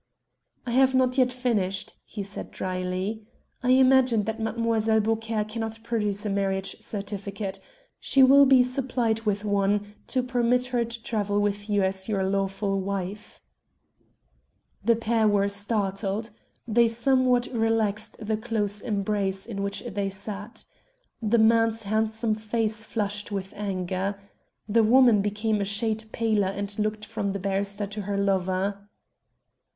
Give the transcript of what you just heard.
"I have not yet finished," he said drily. "I imagine that Mlle. Beaucaire cannot produce a marriage certificate. She will be supplied with one, to permit her to travel with you as your lawful wife." The pair were startled. They somewhat relaxed the close embrace in which they sat. The man's handsome face flushed with anger. The woman became a shade paler and looked from the barrister to her lover.